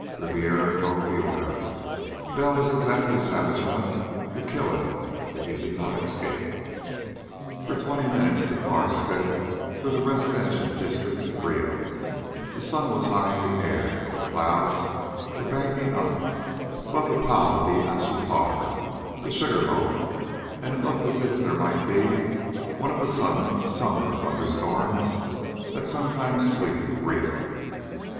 Ribiera croaked the order. Bell was exactly savage enough to kill him if he did not escape. For twenty minutes the car sped through the residential districts of Rio. The sun was high in the air, but clouds were banking up above the Pao d'Assucar the Sugarloaf and it looked as if there might be one of the sudden summer thunderstorms that sometimes sweep Rio.